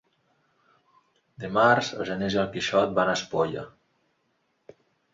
Dimarts en Genís i en Quixot van a Espolla.